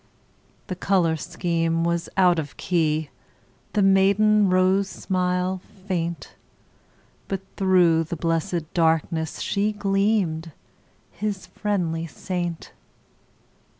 The color scheme was out of key, The maiden rose smile faint, But through the blessed darkness She gleamed, his friendly saint.